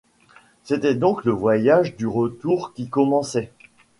C’était donc le voyage du retour qui commençait.